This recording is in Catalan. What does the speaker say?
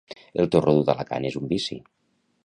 El torró dur d'Alacant és un vici.